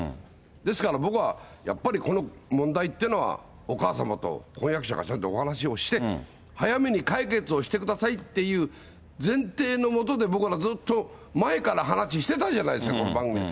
ですから、僕はやっぱりこの問題っていうのは、お母様と婚約者様がちゃんとお話をして、早めに解決をしてくださいっていう前提の下で、僕らずっと前から話してたじゃないですか、この番組で。